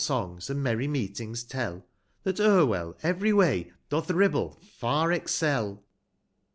songs, and merry meetings tell, Tluit Encell everyway doth IliliUe far excel I.